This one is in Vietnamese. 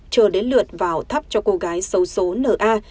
chờ đến lượt vào thắp cho cô gái xấu xố n a